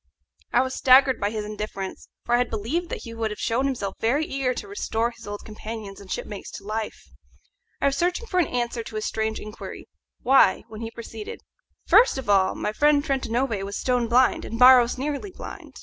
I was staggered by his indifference, for I had believed he would have shown himself very eager to restore his old companions and shipmates to life. I was searching for an answer to his strange inquiry, "Why?" when he proceeded, "First of all, my friend Trentanove was stone blind, and Barros nearly blind.